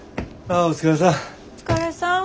ああお疲れさん。